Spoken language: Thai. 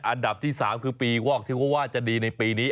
อันดับที่๓คือปีวอกที่เขาว่าจะดีในปีนี้